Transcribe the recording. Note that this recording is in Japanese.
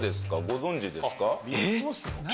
ご存じですか？